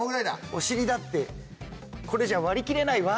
おしりだってこれじゃわりきれないわ。